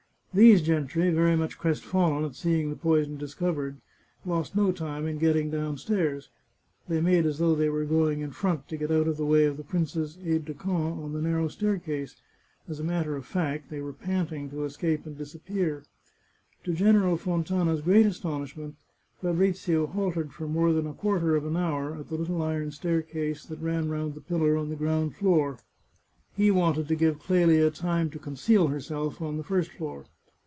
These gentry, very much crestfallen at seeing the poison discovered, lost no time in getting downstairs. They made as though they were going in front, to get out of the way of the prince's aide de camp on the narrow staircase ; as a matter of fact, they were panting to escape and disappear. To General Fontana's great astonishment, Fabrizio halted for more than a quarter of an hour at the little iron staircase that ran round the pillar on the ground floor. He wanted to give Clelia time to con ceal herself on the first floor.